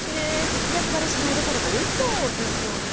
節約ばれしないどころかおいしそうですよね。